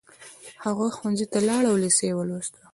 هغه ښوونځي ته لاړ او لېسه يې ولوسته.